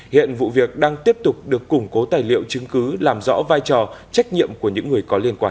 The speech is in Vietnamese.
hiện vụ việc đang tiếp tục được củng cố tài liệu chứng cứ làm rõ vai trò trách nhiệm của những người có liên quan